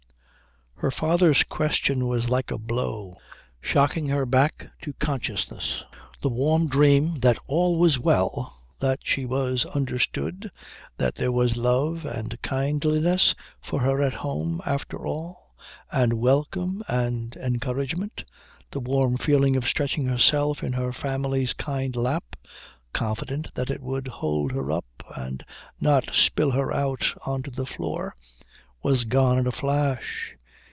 Her father's question was like a blow, shocking her back to consciousness. The warm dream that all was well, that she was understood, that there was love and kindliness for her at home after all and welcome and encouragement, the warm feeling of stretching herself in her family's kind lap, confident that it would hold her up and not spill her out on to the floor, was gone in a flash.